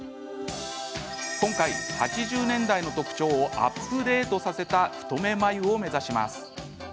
今回、８０年代の特徴をアップデートさせた太め眉を目指します。